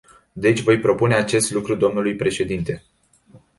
Deci voi propune acest lucru dlui președinte.